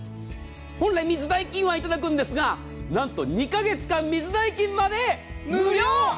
本来、水代金は頂くんですがなんと２か月間水代金まで無料！